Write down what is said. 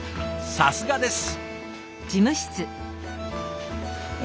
さすがです。